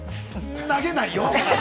◆投げないよ。